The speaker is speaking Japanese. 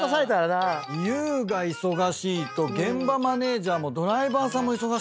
ゆうが忙しいと現場マネジャーもドライバーさんも忙しくなる。